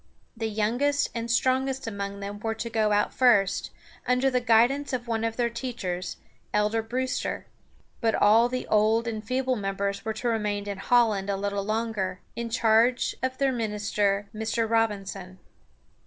The youngest and strongest among them were to go out first, under the guidance of one of their teachers, Elder Brewster. But all the old and feeble members were to remain in Holland a little longer, in charge of their minister, Mr. Rob´in son.